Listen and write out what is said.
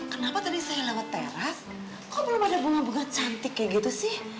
kenapa tadi saya lewat teras kok belum ada bunga bunga cantik kayak gitu sih